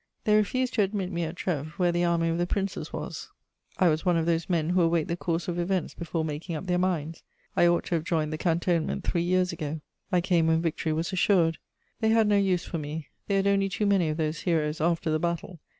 They refused to admit me at Trèves, where the Army of the Princes was: "I was one of those men who await the course of events before making up their minds; I ought to have joined the cantonment three years ago; I came when victory was assured. They had no use for me; they had only too many of those heroes after the battle.